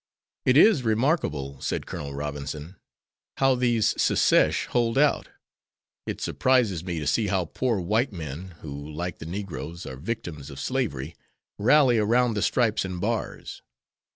"It is remarkable," said Colonel Robinson, "how these Secesh hold out. It surprises me to see how poor white men, who, like the negroes, are victims of slavery, rally around the Stripes and Bars.